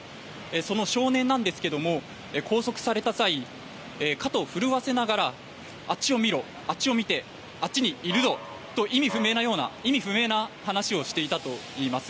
その少年なんですが拘束された際肩を震わせながらあっちを見ろ、あっちを見てあっちにいるぞと意味不明な話をしていたといいます。